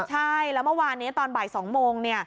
ใช่แล้วเมื่อวานนี้ตอนบ่าย๒โมง